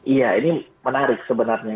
iya ini menarik sebenarnya